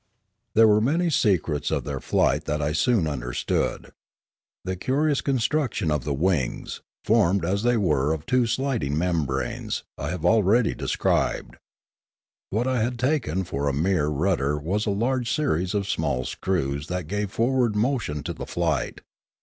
There were many secrets of their flight that I soon understood. The curious construction of the wings, formed as they were of two sliding membranes, I have already described. What I had taken for a mere rudder was a large series of small screws that gave forward motion to the flight.